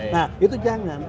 nah itu jangan